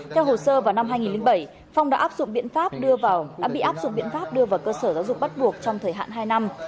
theo hồ sơ vào năm hai nghìn bảy phong đã bị áp dụng biện pháp đưa vào cơ sở giáo dục bắt buộc trong thời hạn hai năm